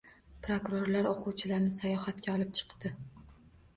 Prokurorlar o‘quvchilarni sayohatga olib chiqdi